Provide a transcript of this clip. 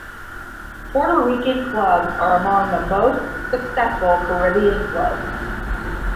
Puerto Rican clubs are among the most successful Caribbean clubs.